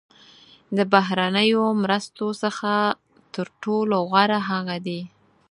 د بهرنیو مرستو څخه تر ټولو غوره هغه دي.